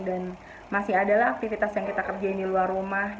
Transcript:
dan masih adalah aktivitas yang kita kerjain di luar rumah